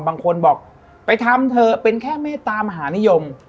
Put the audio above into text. บางคนบอกไปทำเถอะเป็นแค่เมตตามหานิยม